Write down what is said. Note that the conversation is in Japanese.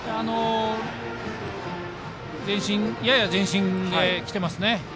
やや前進できてますね。